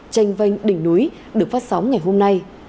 tranh vanh đỉnh núi được phát sóng ngày hôm nay